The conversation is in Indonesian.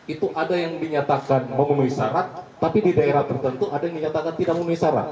itu ada yang dinyatakan memenuhi syarat tapi di daerah tertentu ada yang dinyatakan tidak memenuhi syarat